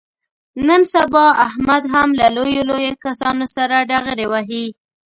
نن سبا احمد هم له لویو لویو کسانو سره ډغرې وهي.